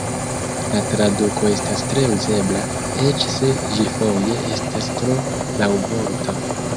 La traduko estas tre uzebla, eĉ se ĝi foje estas tro laŭvorta.